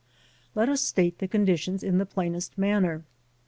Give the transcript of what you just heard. Let us state the conditions in the plainest manner.